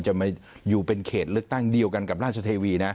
จะมาอยู่เป็นเขตเลือกตั้งเดียวกันกับราชเทวีนะ